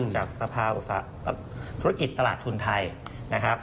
จากสภาอุตรฐานธุรกิจตลาดทุนไทย